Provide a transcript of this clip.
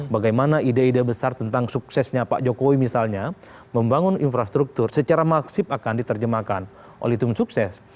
bagaimana ide ide besar tentang suksesnya pak jokowi misalnya membangun infrastruktur secara maksib akan diterjemahkan oleh tim sukses